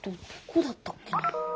どこだったっけな。